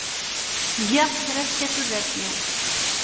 Giɣ-t kra tekka tudert-iw.